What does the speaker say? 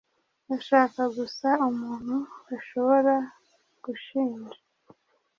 Bashaka gusa umuntu bashobora gushinja.